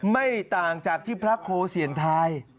ไม่ต่างจากที่พระโคเสี่ยงทาย